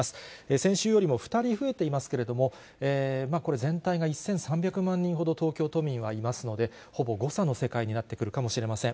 先週よりも２人増えていますけれども、これ、全体が１３００万人ほど東京都民はいますので、ほぼ誤差の世界になってくるかもしれません。